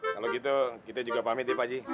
kalau gitu kita juga pamit ya pak haji